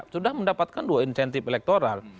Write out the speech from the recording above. sudah mendapatkan dua insentif elektoral